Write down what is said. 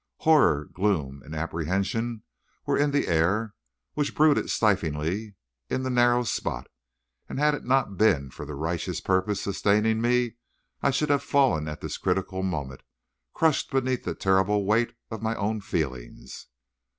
Horror, gloom, and apprehension were in the air, which brooded stiflingly in the narrow spot, and had it not been for the righteous purpose sustaining me, I should have fallen at this critical moment, crushed beneath the terrible weight of my own feelings.